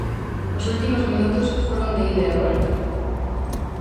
Os últimos minutos foron de ida e volta.